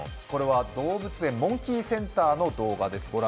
これは動物園、モンキーセンターの動画です。